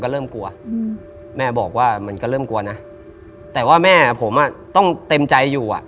เริ่มกลัวอืมแม่บอกว่ามันก็เริ่มกลัวนะแต่ว่าแม่ผมอ่ะต้องเต็มใจอยู่อ่ะ